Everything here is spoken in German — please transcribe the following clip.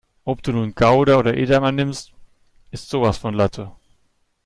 Ob du nun Gouda oder Edamer nimmst, ist sowas von Latte.